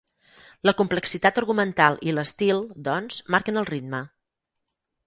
La complexitat argumental i l'estil, doncs, marquen el ritme.